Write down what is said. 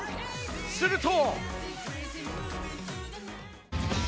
すると。